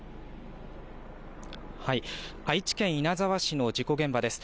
愛知県稲沢市の事故現場です。